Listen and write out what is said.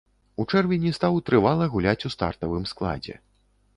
У чэрвені стаў трывала гуляць у стартавым складзе.